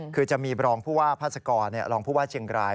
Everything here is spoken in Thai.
คือจะมีบรองผู้ว่าพาสกรรองผู้ว่าเชียงราย